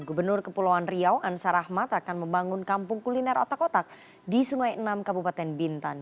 gubernur kepulauan riau ansar ahmad akan membangun kampung kuliner otak otak di sungai enam kabupaten bintan